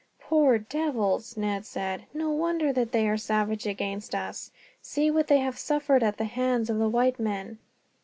"Poor devils!" Ned said; "no wonder that they are savage against us. See what they have suffered at the hands of the white men.